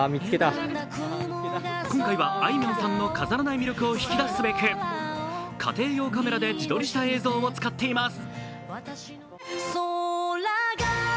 今回は、あいみょんさんの飾らない魅力を引き出すべく、家庭用カメラで自撮りした映像を使っています。